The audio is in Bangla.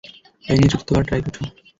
এই নিয়ে চতুর্থ বার ট্রাই করছো।